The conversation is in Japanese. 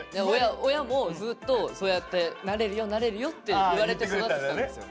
親もずっとそうやってなれるよなれるよって言われて育ってたんですよ。